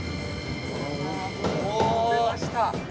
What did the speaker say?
出ました。